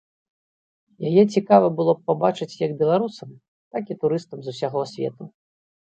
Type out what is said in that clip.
Яе цікава было б пабачыць як беларусам, так і турыстам з усяго свету.